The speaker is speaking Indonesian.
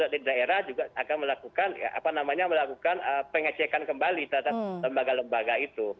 di daerah juga akan melakukan pengajian kembali terhadap lembaga lembaga itu